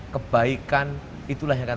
kebaikan itulah yang akan